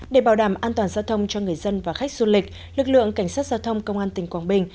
để bảo đảm an toàn giao thông cho người dân và khách du lịch lực lượng cảnh sát giao thông công an tỉnh quảng bình